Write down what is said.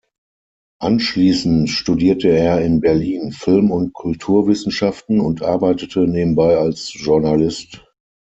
Anschließend studierte er in Berlin Film- und Kulturwissenschaften und arbeitete nebenbei als Journalist.